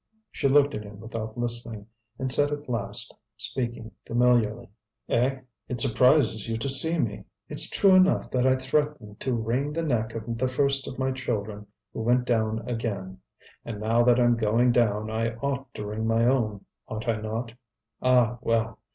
She looked at him without listening, and said at last, speaking familiarly: "Eh? it surprises you to see me. It's true enough that I threatened to wring the neck of the first of my children who went down again; and now that I'm going down I ought to wring my own, ought I not? Ah, well!